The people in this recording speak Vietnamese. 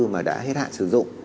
mà đã hết hạn sử dụng